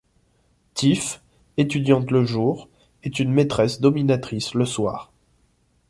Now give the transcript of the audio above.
Tiff, étudiante le jour, est une maîtresse dominatrice le soir.